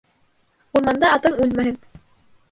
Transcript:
Урманда атың үлмәһен